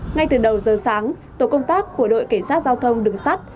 ngay từ đầu giờ sáng tổ công tác của đội cảnh sát giao thông đường sắt